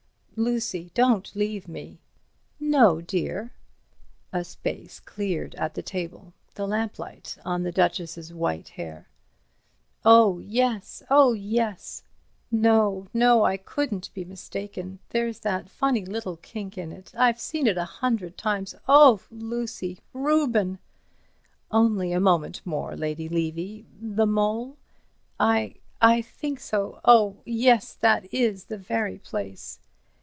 "Lucy, don't leave me." "No, dear." A space cleared at the table. The lamplight on the Duchess's white hair. "Oh, yes—oh, yes! No, no—I couldn't be mistaken. There's that funny little kink in it. I've seen it hundreds of times. Oh, Lucy—Reuben!" "Only a moment more, Lady Levy. The mole—" "I—I think so—oh, yes, that is the very place."